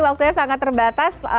waktunya sangat terbatas